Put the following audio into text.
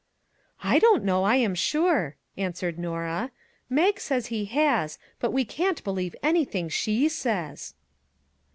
" I don't know, I am sure," answered Norah. " Mag says he has, but we can't believe any thing she says."